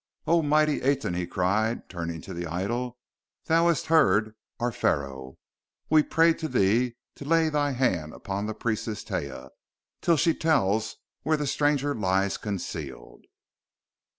"O mighty Aten," he cried, turning to the idol, "thou hast heard our Pharaoh. We pray to thee to lay thy hand on the priestess Taia, till she tells where the stranger lies concealed!"